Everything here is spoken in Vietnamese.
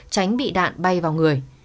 tránh bị đạn bay vào người